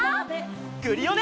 クリオネ！